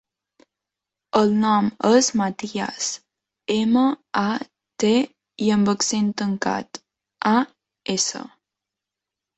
El nom és Matías: ema, a, te, i amb accent tancat, a, essa.